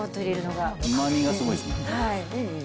うまみがすごいですね。